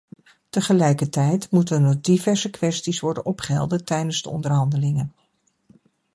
Tegelijkertijd moeten er diverse kwesties worden opgehelderd tijdens de onderhandelingen.